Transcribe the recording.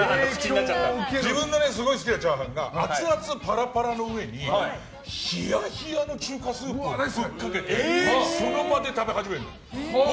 自分が一番好きなチャーハンがアツアツ、パラパラの上にひやひやの中華スープをぶっかけてそのまま食べ始める。